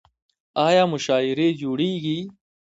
آیا مشاعرې جوړیږي؟